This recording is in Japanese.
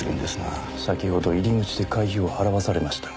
先ほど入り口で会費を払わされましたが。